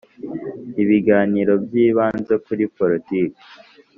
Ibiganiro byibanze kuri politiki